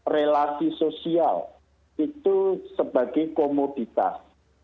relasi sosial itu sebagai komoditas